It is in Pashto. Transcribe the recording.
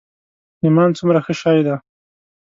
ایمان څومره ښه شی دی.